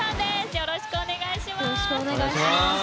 よろしくお願いします。